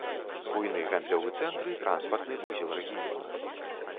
Буйны гандлёвы цэнтр і транспартны вузел рэгіёна.